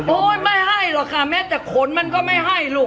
ไม่ให้หรอกค่ะแม้แต่ขนมันก็ไม่ให้ลูก